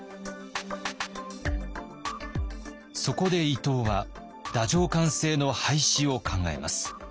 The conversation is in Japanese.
そこで伊藤は太政官制の廃止を考えます。